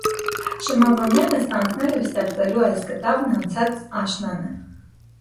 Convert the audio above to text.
Շմավոնյանը ստանձնել էր ստեղծելու այս կտավն անցած աշնանը։